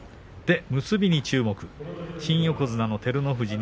結びに注目、新横綱の照ノ富士